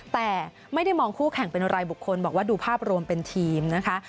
แต่ไม่ได้มองคู่แข่งเป็นรายบุคคลบอกว่าดูภาพรวมเป็นทีมนะคะ